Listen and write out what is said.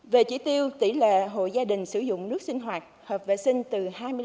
về chỉ tiêu tỷ lệ hộ gia đình sử dụng nước sinh hoạt hợp vệ sinh từ hai mươi năm